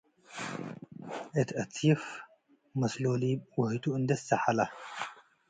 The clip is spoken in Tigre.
እት አስይፍ መስሎሊብ - ወህቱ እንዴ ትሰሐላ